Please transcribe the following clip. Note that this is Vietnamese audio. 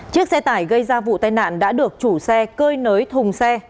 chiếc xe tải gây ra vụ tai nạn đã được chủ xe cơi nới thùng xe